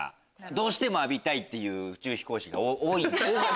どうしても浴びたい！っていう宇宙飛行士が多かった。